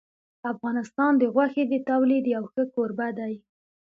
افغانستان د غوښې د تولید یو ښه کوربه دی.